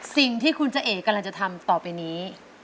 สิ่งที่คุณจะเอกกำลังจะทำต่อไปนี้